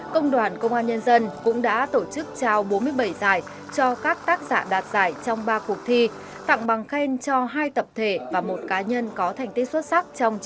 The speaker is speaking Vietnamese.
công đoàn công an nhân dân cũng đã tổ chức trao bốn mươi bảy giải cho các tác giả đạt giải trong ba cuộc thi tặng bằng khen cho hai tập thể và một cá nhân có thành tích xuất sắc trong chương trình